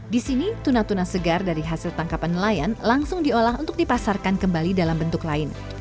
di sini tuna tuna segar dari hasil tangkapan nelayan langsung diolah untuk dipasarkan kembali dalam bentuk lain